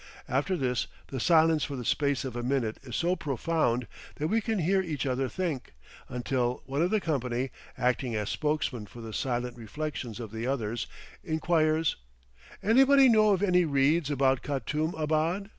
After this, the silence for the space of a minute is so profound that we can hear each other think, until one of the company, acting as spokesman for the silent reflections of the others, inquires, "Anybody know of any reeds about Katoum abad?"